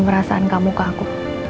merasaan kamu ke aku